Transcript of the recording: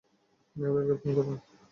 মেমোরিয়ালকে phone করো।